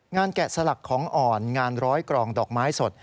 แกะสลักของอ่อนงานร้อยกรองดอกไม้สด